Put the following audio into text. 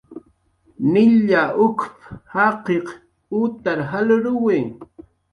"Nilla uk""p"" jaqiq utar jalruwi"